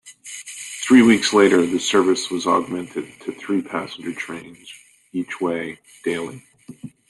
Three weeks later the service was augmented to three passenger trains each way daily.